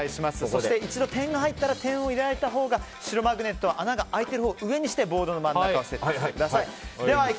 そして一度、点が入ったら点が入れられたほうが白マグネットを穴が開いてるほうを上にしてボードの真ん中にセットしてください。